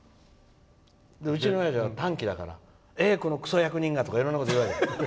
うちの親は短気だからええい、このクソ役人が！とかいろんなこと言うわけ。